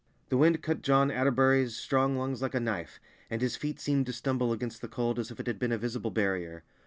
The wind cut John Atterbury's strong lungs like a knife, and his feet seemed to stumble against the cold as if it had been a visible barrier.